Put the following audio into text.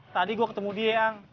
tadi gue ketemu die ang